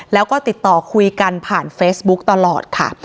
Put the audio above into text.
แล้วก็ติดต่อคุยกันผ่านเฟซบุ๊กตลอดค่ะ